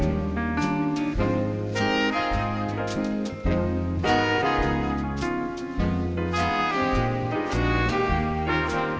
สุดท้ายสุดท้ายสุดท้ายสุดท้ายสุดท้าย